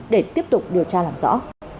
để tiếp tục điều tra làm rõ